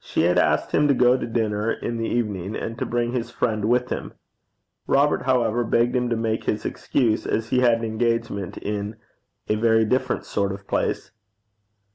She had asked him to go to dinner in the evening, and to bring his friend with him. Robert, however, begged him to make his excuse, as he had an engagement in a very different sort of place.